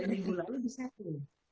dari minggu lalu disetting